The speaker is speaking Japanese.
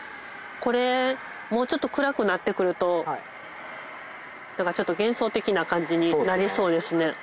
これもうちょっと暗くなってくるとなんかちょっと幻想的な感じになりそうですね。